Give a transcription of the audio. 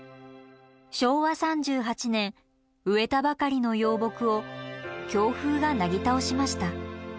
昭和３８年植えたばかりの幼木を強風がなぎ倒しました。